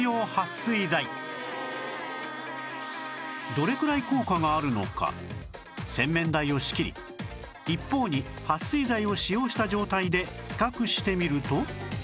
どれくらい効果があるのか洗面台を仕切り一方に撥水剤を使用した状態で比較してみると